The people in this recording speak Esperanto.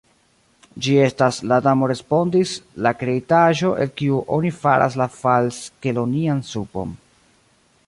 "Ĝi estas," la Damo respondis, "la kreitaĵo, el kiu oni faras la falskelonian supon."